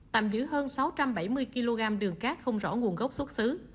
tạm giữ hơn sáu trăm bảy mươi kg đường cát không rõ nguồn gốc xuất xứ